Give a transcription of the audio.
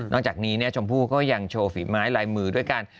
จากนี้ชมพู่ก็ยังโชว์ฝีไม้ลายมือด้วยกัน